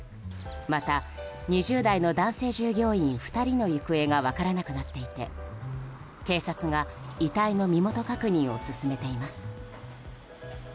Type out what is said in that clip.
また、２０代の男性従業員２人の行方が分からなくなっていて警察が遺体の身元確認を進めています。